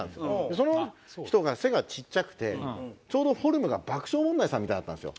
その人が背がちっちゃくてちょうどフォルムが爆笑問題さんみたいだったんですよ。